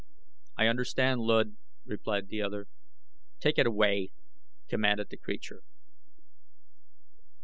"I understand, Luud," replied the other. "Take it away!" commanded the creature.